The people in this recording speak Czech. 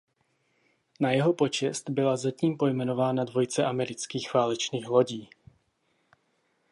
Na jeho počest byla zatím pojmenována dvojice amerických válečných lodí.